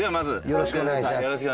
よろしくお願いします